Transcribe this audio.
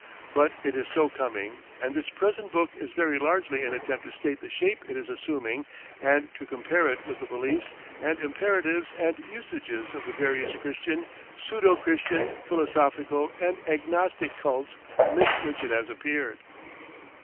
But it is so coming, and this present book is very largely an attempt to state the shape it is assuming and to compare it with the beliefs and imperatives and usages of the various Christian, pseudo Christian, philosophical, and agnostic cults amidst which it has appeared.